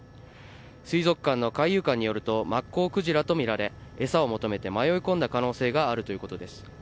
水族館の海遊館によるとマッコウクジラとみられ餌を求めて迷い込んだ可能性があるということです。